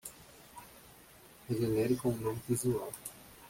Regenere com um novo visual